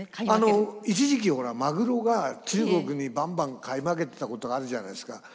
あの一時期ほらマグロが中国にバンバン買い負けてたことがあるじゃないですか。